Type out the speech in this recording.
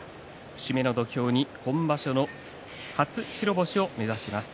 節目の土俵に今場所の初白星を目指します。